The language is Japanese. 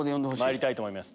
まいりたいと思います